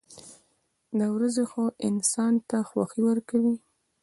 • د ورځې هوا انسان ته خوښي ورکوي.